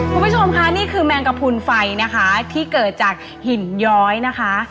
คุณผู้ชมค่ะนี่คือแมงกระพุนไฟนะคะที่เกิดจากหินย้อยนะคะ